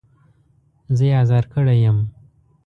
زه يې ازار کړی يم.